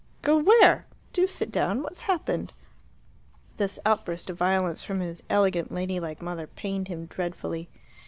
"Go where? Do sit down. What's happened?" This outburst of violence from his elegant ladylike mother pained him dreadfully.